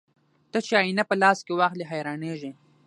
ته چې آيينه په لاس کې واخلې حيرانېږې